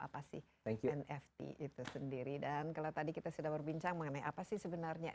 apa sih nft itu sendiri dan kalau tadi kita sudah berbincang mengenai apa sih sebenarnya